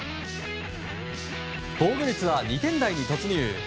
防御率は２点台に突入。